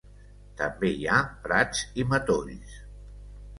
També hi ha prats i matolls.